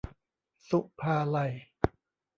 ศุภาลัย